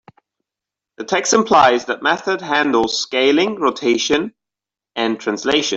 The text implies that method handles scaling, rotation, and translation.